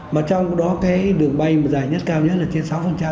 mà trong đó đường bay dài nhất cao nhất là trên sáu